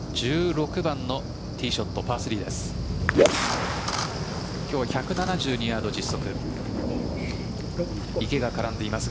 １６番のティーショット、パー３です。